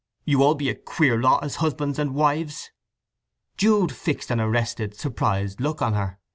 "All you be a queer lot as husbands and wives!" Jude fixed an arrested, surprised look on her.